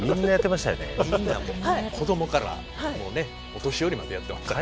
子供からお年寄りまでやってました。